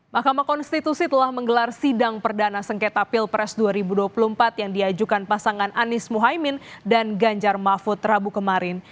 mahkamah konstitusi telah menggelar sidang perdana sengketa pilpres dua ribu dua puluh empat yang diajukan pasangan anies muhaymin dan ganjar mahfud rabu kemarin